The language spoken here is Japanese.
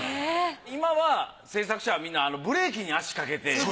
今は制作者はみんなブレーキに足かけて。